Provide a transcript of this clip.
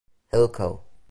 Hill Co.